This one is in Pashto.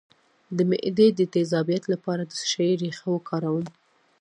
د معدې د تیزابیت لپاره د څه شي ریښه وکاروم؟